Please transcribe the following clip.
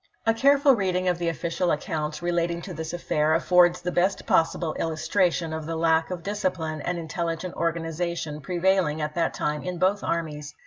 A careful reading of the official accounts relating to this affair affords the best possible illustration of the lack of discipline and intelligent organization prevailing at that time in both armies.